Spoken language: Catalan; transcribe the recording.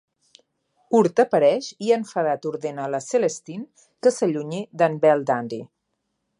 Urd apareix i enfadat ordena la Celestin que s'allunyi d'en Belldandy.